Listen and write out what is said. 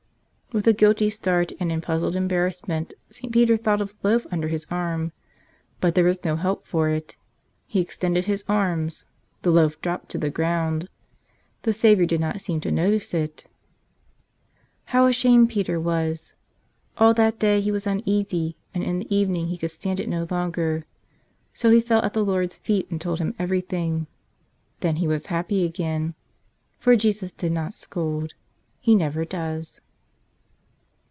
With a guilty start and in puzzled embarrassment, St. Peter thought of the loaf under his arm. But there was no help for it. He extended his arms; the loaf dropped to the ground. The Savior did not seem to notice it. How ashamed Peter was! All that day he was un¬ easy and in the evening he could stand it no longer. So he fell at the Lord's feet and told Him everything. Then he was happy again. For Jesus did not scold.